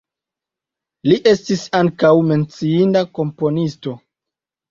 Li estis ankaŭ menciinda komponisto.